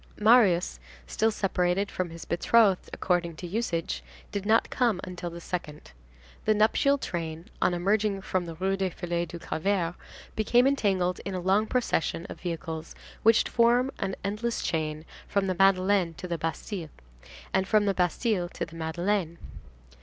Marius, still separated from his betrothed according to usage, did not come until the second. The nuptial train, on emerging from the Rue des Filles du Calvaire, became entangled in a long procession of vehicles which formed an endless chain from the Madeleine to the Bastille, and from the Bastille to the Madeleine.